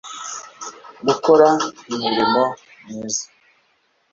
Gukora imirimo myiza